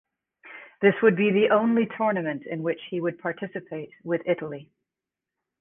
This would be the only tournament in which he would participate with Italy.